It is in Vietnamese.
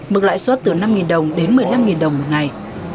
mức lãi suất từ năm đồng đến một mươi năm đồng một ngày